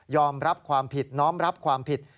รับความผิดน้อมรับความผิด